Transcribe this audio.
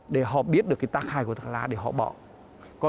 để họ biết được cái tác hại của thuốc lá để họ bỏ